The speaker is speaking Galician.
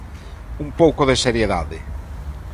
¡Un pouco de seriedade!